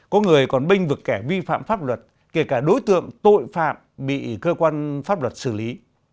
có người còn binh vực kẻ vi phạm pháp luật kể cả đối tượng tội phạm bị cơ quan pháp luật xử lý